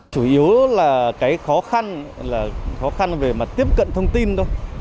chủ yếu là cái khó khăn là khó khăn về mặt tiếp cận thông tin thôi